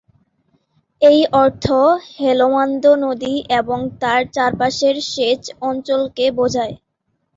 এই অর্থ হেলমান্দ নদী এবং তার চারপাশের সেচ অঞ্চলকে বোঝায়।